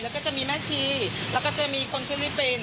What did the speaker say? แล้วก็จะมีแม่ชีแล้วก็จะมีคนฟิลิปปินส